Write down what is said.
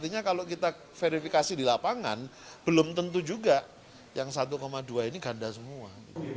nah verifikasi di lapangan belum tentu juga yang satu dua ini ganda semua